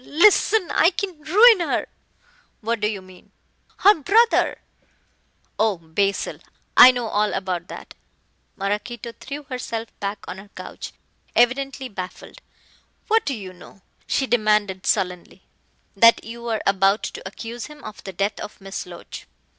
Listen, I can ruin her " "What do you mean?" "Her brother " "Oh, Basil, I know all about that." Maraquito threw herself back on her couch, evidently baffled. "What do you know?" she demanded sullenly. "That you are about to accuse him of the death of Miss Loach."